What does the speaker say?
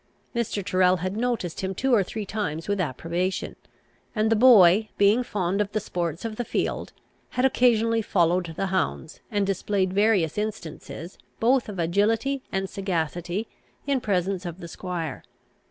Mr. Tyrrel had noticed him two or three times with approbation; and the boy, being fond of the sports of the field, had occasionally followed the hounds, and displayed various instances, both of agility and sagacity, in presence of the squire.